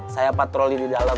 saya patroli di dalam